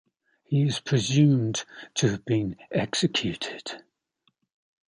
He is presumed to have been executed.